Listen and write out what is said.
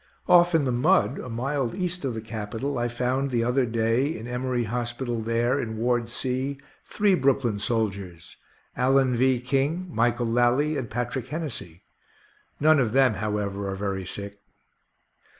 Off in the mud, a mile east of the Capitol, I found the other day, in Emory hospital there, in Ward C, three Brooklyn soldiers Allen V. King, Michael Lally, and Patrick Hennessy; none of them, however, are very sick.